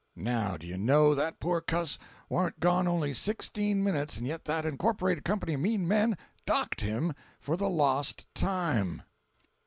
Now do you know, that poor cuss warn't gone only sixteen minutes, and yet that Incorporated Company of Mean Men DOCKED HIM FOR THE LOST TIME!"